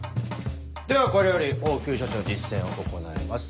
ではこれより応急処置の実践を行います。